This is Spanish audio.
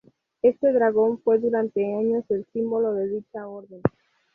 Este dragón fue durante años el símbolo de dicha orden.